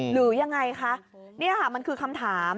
หรือยังไงคะนี่ค่ะมันคือคำถาม